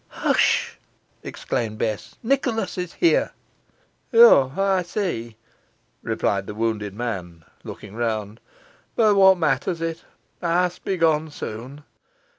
"Hush!" exclaimed Bess, "Nicholas is here." "Oh! ey see," replied the wounded man, looking round; "but whot matters it? Ey'st be gone soon.